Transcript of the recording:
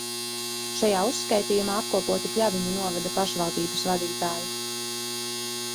Šajā uzskaitījumā apkopoti Pļaviņu novada pašvaldības vadītāji.